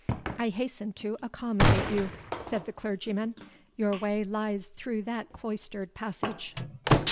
"I hasten to accommodate you," said the clergyman; "your way lies through that cloistered passage."